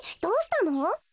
どうしたの？